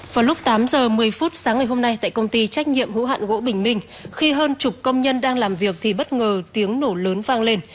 vào lúc tám giờ một mươi phút sáng ngày hôm nay tại công ty trách nhiệm hữu hạn gỗ bình minh khi hơn chục công nhân đang làm việc thì bất ngờ tiếng nổ lớn vang lên